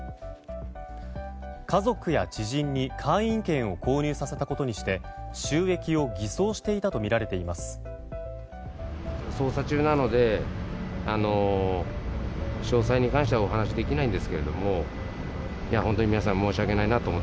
家族や知人に会員権を購入させたことにして収益を偽装していたとみられています。